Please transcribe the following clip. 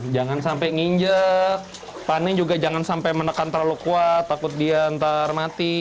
jangan sampai nginjek panen juga jangan sampai menekan terlalu kuat takut dia ntar mati